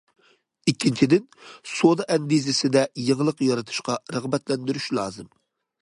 ئىككىنچىدىن، سودا ئەندىزىسىدە يېڭىلىق يارىتىشقا رىغبەتلەندۈرۈش لازىم.